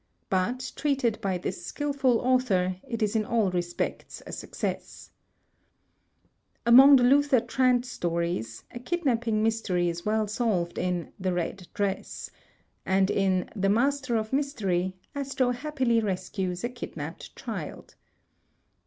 But treated by this skilfull author it is in all respects a success. 232 THE TECHNIQUE OF THE MYSTERY STORY Among the Luther Trant stories, a kidnapping mystery is well solved in "The Red Dress"; and in "The Master of Mysteries," Astro happily rescues a kidnapped child.